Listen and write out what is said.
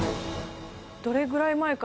どれぐらい前から。